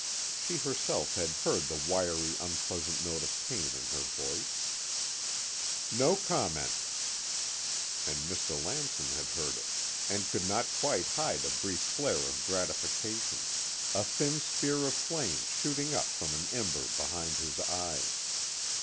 She herself had heard the wiry unpleasant note of pain in her voice: "No comment." And Mr. Lamson had heard it, and could not quite hide a brief flare of gratification, a thin spear of flame shooting up from an ember behind his eyes.